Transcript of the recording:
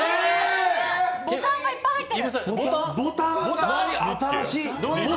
ボタンがいっぱい入ってる！